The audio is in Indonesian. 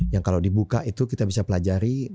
yang kalau dibuka itu kita bisa pelajari juga ya